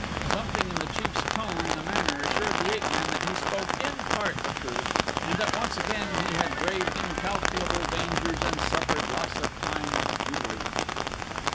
Something in the chief's tone and manner assured the ape man that he spoke in part the truth, and that once again he had braved incalculable dangers and suffered loss of time futilely.